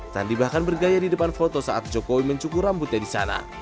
sandi bahkan bergaya di depan foto saat jokowi mencukur rambutnya di sana